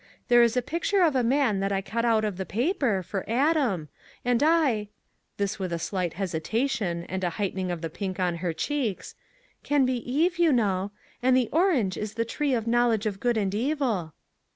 There is a picture of a man that I cut out of the paper, for Adam, and I " this with a slight hesitation and a heightening of the pink on her cheeks " can be Eve, you know ; and the orange is the ' tree of knowledge of good and evil.'